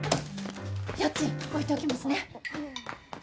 家賃置いておきますね。